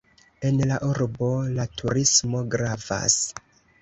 En la urbo la turismo gravas.